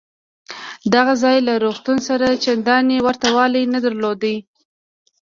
دغه ځای له روغتون سره چندانې ورته والی نه درلود.